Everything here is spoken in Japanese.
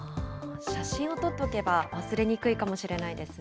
写真を撮っておけば忘れにくいかもしれないですね。